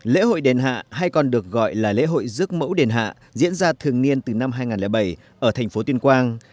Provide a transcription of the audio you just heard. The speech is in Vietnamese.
lễ hội đền hạ hay còn được gọi là lễ hội rước mẫu đền hạ diễn ra thường niên từ năm hai nghìn bảy ở thành phố tuyên quang